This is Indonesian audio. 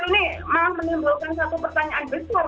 ini malah menimbulkan satu pertanyaan besar